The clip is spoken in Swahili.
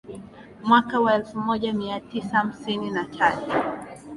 Mwaka wa elfu moja mia tisa hamsini na tatu